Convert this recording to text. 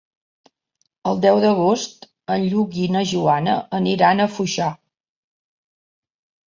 El deu d'agost en Lluc i na Joana aniran a Foixà.